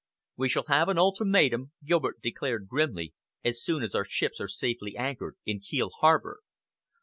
'" "We shall have an ultimatum," Gilbert declared grimly, "as soon as our ships are safely anchored in Kiel harbor.